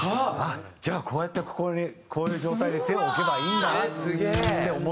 じゃあこうやってここにこういう状態で手を置けばいいんだなって思って。